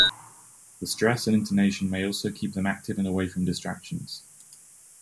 The stress and intonation may also keep them active and away from distractions.